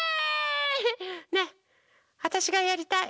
ねえわたしがやりたい。